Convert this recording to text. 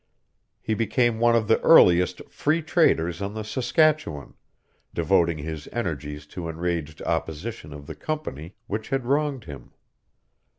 He became one of the earliest Free Traders on the Saskatchewan, devoting his energies to enraged opposition of the Company which had wronged him.